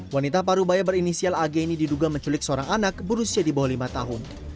wanita parubaya berinisial ag ini diduga menculik seorang anak berusia di bawah lima tahun